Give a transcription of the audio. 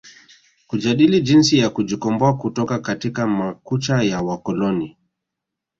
Kujadili jinsi ya kujikomboa kutoka katika makucha ya wakoloni